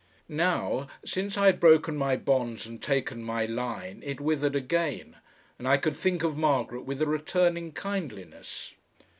Now, since I had broken my bonds and taken my line it withered again, and I could think of Margaret with a returning kindliness.